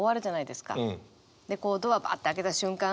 でこうドアばあって開けた瞬間